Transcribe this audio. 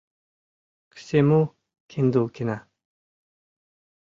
К сему — Киндулкина».